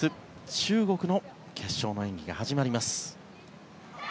中国の決勝の演技が始まります。